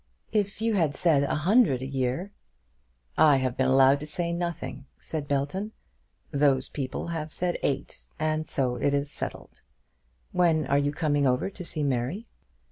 "If you had said a hundred a year " "I have been allowed to say nothing," said Belton; "those people have said eight, and so it is settled. When are you coming over to see Mary?"